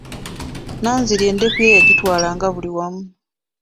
Nanziri endeku ye yagitwalanga buli wamu.